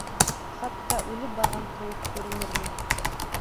Хатта үлеп барған кеүек күренермен.